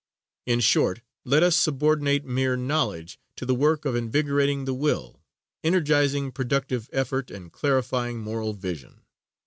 In short, let us subordinate mere knowledge to the work of invigorating the will, energizing productive effort and clarifying moral vision.